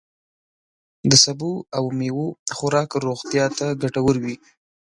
د سبوو او میوو خوراک روغتیا ته ګتور وي.